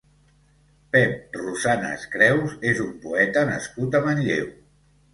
Pep Rosanes-Creus és un poeta nascut a Manlleu.